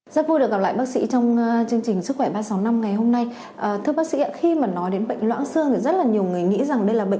sức khỏe ba trăm sáu mươi năm